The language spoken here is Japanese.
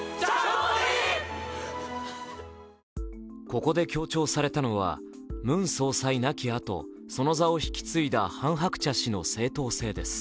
ここで強調されたのはムン総裁亡き後、その座を引き継いだハン・ハクチャ氏の正統性です。